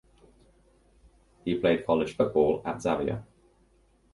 He played college football at Xavier.